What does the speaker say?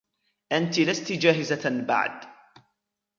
أنتِ لستِ جاهزةً بعد.